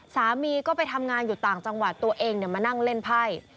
สามีก็ไปทำงานอยู่ต่างจังหวัดตัวเองมานั่งเล่นไพ่